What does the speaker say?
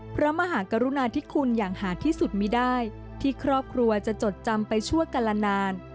พระมหากรุณาธิคุณอย่างหาดที่สุดไม่ได้ที่ครอบครัวจะจดจำไปชั่วกันละนาน